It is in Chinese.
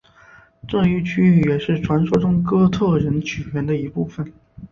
这一区域也是传说中哥特人起源的一部分。